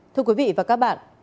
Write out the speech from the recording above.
thưa quý vị và các bạn